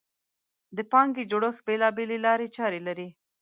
د پانګې جوړښت بېلابېلې لارې چارې لري.